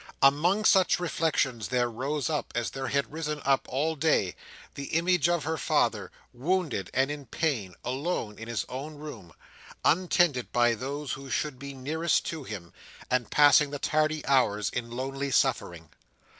Among such reflections there rose up, as there had risen up all day, the image of her father, wounded and in pain, alone in his own room, untended by those who should be nearest to him, and passing the tardy hours in lonely suffering.